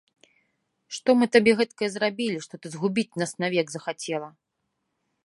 Што мы табе гэтакае зрабілі, што ты згубіць нас навек захацела!